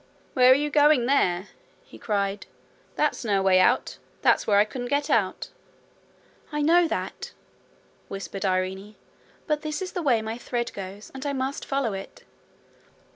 'Where are you going there?' he cried. 'That's not the way out. That's where I couldn't get out.' 'I know that,' whispered Irene. 'But this is the way my thread goes, and I must follow it.'